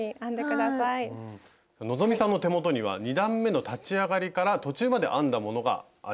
希さんの手元には２段めの立ち上がりから途中まで編んだものがあります。